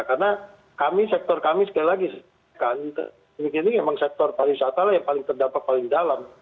karena kami sektor kami sekali lagi ini memang sektor pariwisata yang terdapat paling dalam